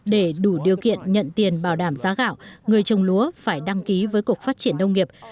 để đủ điều kiện nhận tiền bảo đảm giá gạo người trồng lúa phải đăng ký với cục phát triển nông nghiệp